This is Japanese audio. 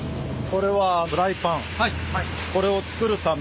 これはフライパン。